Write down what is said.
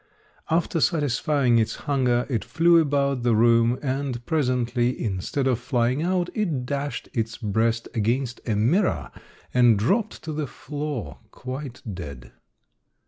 After satisfying its hunger it flew about the room, and presently, instead of flying out, it dashed its breast against a mirror and dropped to the floor, quite dead.